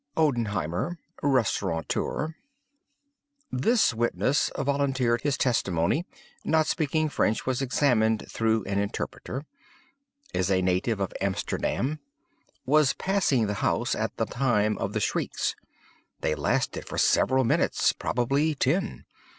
"——Odenheimer, restaurateur. This witness volunteered his testimony. Not speaking French, was examined through an interpreter. Is a native of Amsterdam. Was passing the house at the time of the shrieks. They lasted for several minutes—probably ten.